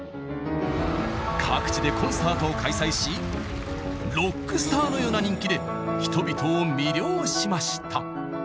各地でコンサートを開催しロックスターのような人気で人々を魅了しました。